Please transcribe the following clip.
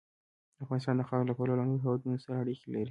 افغانستان د خاوره له پلوه له نورو هېوادونو سره اړیکې لري.